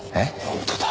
本当だ。